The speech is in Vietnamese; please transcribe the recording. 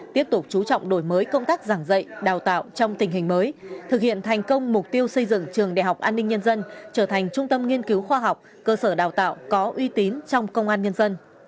tiếp tục chú trọng đổi mới công tác giảng dạy đào tạo trong tình hình mới thực hiện thành công mục tiêu xây dựng trường đại học an ninh nhân dân trở thành trung tâm nghiên cứu khoa học cơ sở đào tạo có uy tín trong công an nhân dân